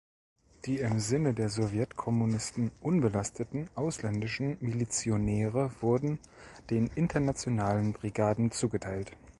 Die im Sinne der Sowjet-Kommunisten unbelasteten ausländischen Milizionäre wurden den Internationalen Brigaden zugeteilt.